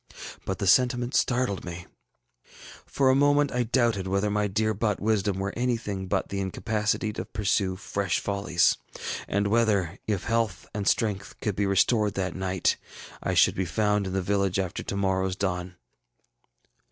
But the sentiment startled me. For a moment I doubted whether my dear bought wisdom were anything but the incapacity to pursue fresh follies, and whether, if health and strength could be restored that night, I should be found in the village after to morrowŌĆÖs dawn.